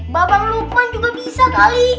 bapak lupain juga bisa kali